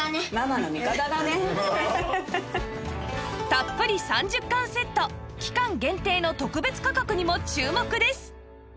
たっぷり３０缶セット期間限定の特別価格にも注目です